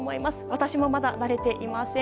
私もまだ慣れていません。